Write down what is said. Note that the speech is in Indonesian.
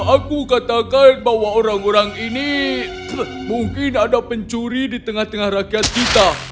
aku katakan bahwa orang orang ini mungkin ada pencuri di tengah tengah rakyat kita